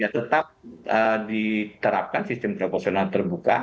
tetap diterapkan sistem proporsional terbuka